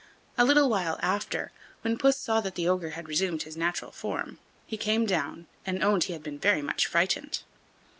A little while after, when Puss saw that the ogre had resumed his natural form, he came down, and owned he had been very much frightened.